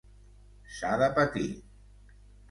S'ha de patir!